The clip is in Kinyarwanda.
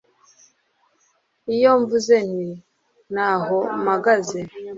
Iyo mvuze nti Nta ho mpagaze